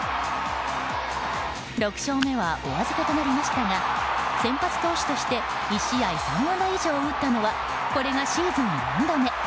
６勝目はお預けとなりましたが先発投手として１試合３安打以上打ったのはこれがシーズン４度目。